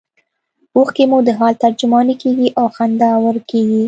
اوښکې مو د حال ترجمانې کیږي او خندا ورکیږي